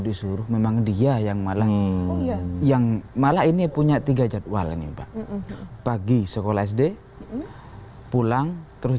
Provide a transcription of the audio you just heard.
disuruh memang dia yang malah yang malah ini punya tiga jadwal nih pak pagi sekolah sd pulang terus